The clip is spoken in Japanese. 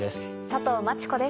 佐藤真知子です。